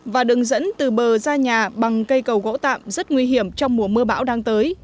và đường dẫn từ bờ ra nhà bằng cây cầu gỗ tạm rất nguy hiểm trong mùa mưa bão đang tới